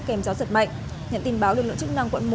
kèm gió giật mạnh nhận tin báo lực lượng chức năng quận một